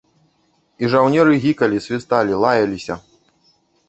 І жаўнеры гікалі, свісталі, лаяліся.